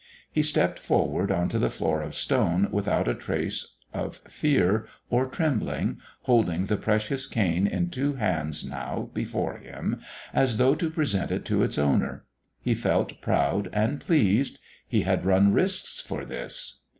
He stepped forward on to the floor of stone without a trace of fear or trembling, holding the precious cane in two hands now before him, as though to present it to its owner. He felt proud and pleased. He had run risks for this.